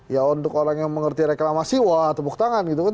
ya untuk orang yang mengerti reklamasi wah tepuk tangan gitu kan